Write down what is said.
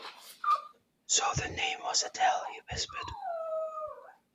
"So the name was Adele," he whispered.